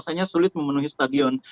rasanya sulit memenuhi stadion